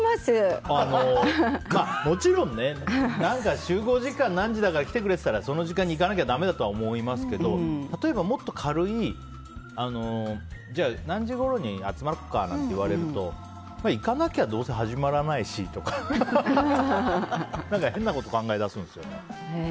もちろん、何か集合時間が何時だから来てくれって言われたらその時間に行かないとだめだと思いますけど例えばもっと軽い何時ごろに集まろうかって言われると行かなきゃどうせ始まらないしとか何か変なこと考えだすんですよね。